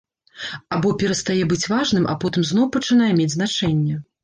Або перастае быць важным, а потым зноў пачынае мець значэнне.